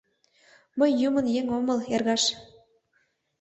— Мый юмын еҥ омыл, эргаш.